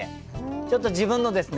ちょっと自分のですね